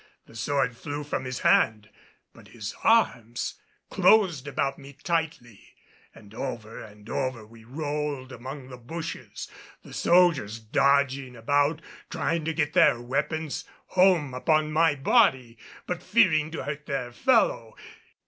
The sword flew from his hand, but his arms closed about me tightly and over and over we rolled among the bushes, the soldiers dodging about trying to get their weapons home upon my body, but fearing to hurt their fellow.